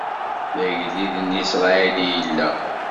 D agellid n Isṛayil i yella!